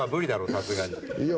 さすがに。いや。